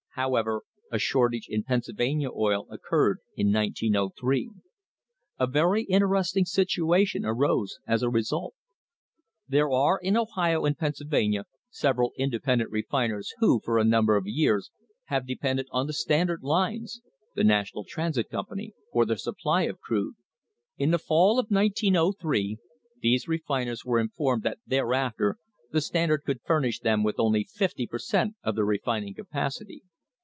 However, a shortage in Penn sylvania oil occurred in 1903. A very interesting situation arose as a result. There are in Ohio and Pennsylvania several inde pendent refiners who, for a number of years, have depended on the Standard lines (the National Transit Company) for their supply of crude. In the fall of 1903 these refiners were in formed that thereafter the Standard could furnish them with only fifty per cent, of their refining capacity.